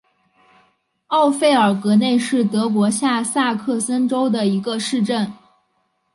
奥费尔格内是德国下萨克森州的一个市镇。